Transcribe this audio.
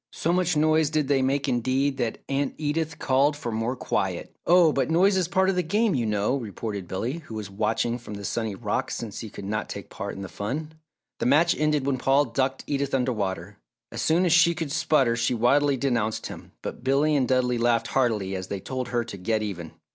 So much noise did they make indeed, that Aunt Edith called for more quiet. "Oh, but noise is part of the game, you know!" retorted Billy, who was watching from the sunny rocks since he could not take part in the fun. The match ended when Paul ducked Edith under water. As soon as she could sputter, she wildly denounced him, but Billy and Dudley laughed heartily as they told her to "get even."